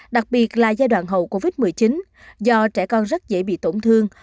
đặc biệt là giai đoạn hậu covid một mươi chín do trẻ con rất dễ bị tổn thương